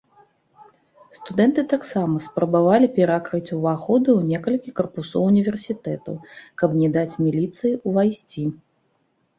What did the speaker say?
Студэнты таксама спрабавалі перакрыць уваходы ў некалькі карпусоў універсітэтаў, каб не даць міліцыі ўвайсці.